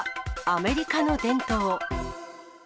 アメリカの伝統。